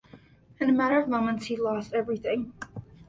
In a matter of moments, he lost everything.